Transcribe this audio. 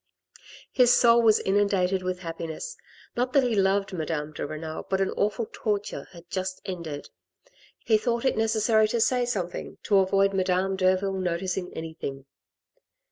His soul was inundated with happiness, not that he loved Madame de Renal, but an awful torture had just ended. He thought it necessary to say something, to avoid Madame Derville noticing anything.